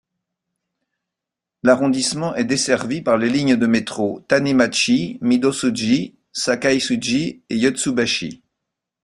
L'arrondissement est desservi par les lignes de métro Tanimachi, Midōsuji, Sakaisuji et Yotsubashi.